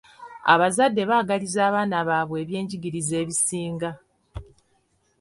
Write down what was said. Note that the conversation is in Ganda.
Abazadde baagaliza abaana baabwe ebyenjigiriza ebisinga.